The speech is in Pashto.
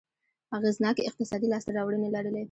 اغېزناکې اقتصادي لاسته راوړنې لرلې.